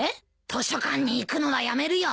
図書館に行くのはやめるよ。